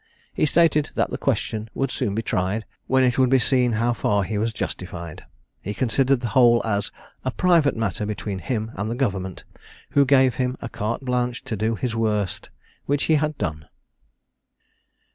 He stated that the question would soon be tried, when it would be seen how far he was justified. He considered the whole as "a private matter between him and the government, who gave him a carte blanche to do his worst, which he had done."